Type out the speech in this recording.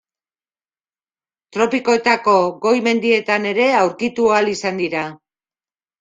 Tropikoetako goi-mendietan ere aurkitu ahal izan dira.